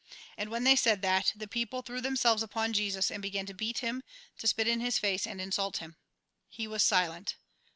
And when they said that, the people threw themselves upon Jesus, and began to beat him, to spit in his face, and insult him. He was silent.